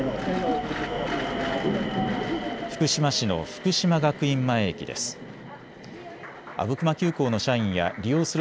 福島市の福島学院前駅です。